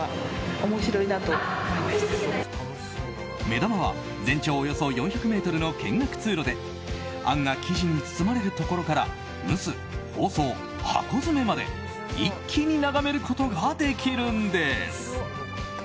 目玉は全長およそ４００ｍの見学通路であんが生地に包まれるところから蒸す、包装、箱詰めまで一気に眺めることができるんです。